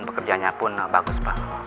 pekerjaannya pun bagus pa